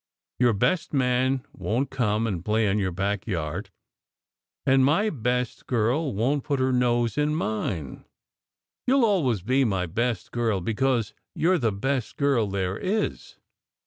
Your best man won t come and play in your backyard, and my best girl won t put her nose in mine. You ll always be my best girl, be cause you re the best girl there is.